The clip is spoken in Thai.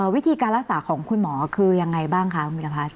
วิธีการรักษาของคุณหมอคือยังไงบ้างคะคุณวิรพัฒน